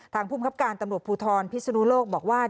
ภูมิครับการตำรวจภูทรพิศนุโลกบอกว่า